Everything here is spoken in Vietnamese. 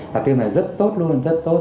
và thêm là rất tốt luôn rất tốt